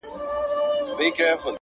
پر ها بل یې له اسمانه ټکه لوېږي!.